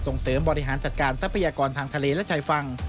เสริมบริหารจัดการทรัพยากรทางทะเลและชายฝั่ง